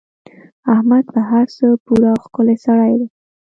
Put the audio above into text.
احمد په هر څه پوره او ښکلی سړی دی.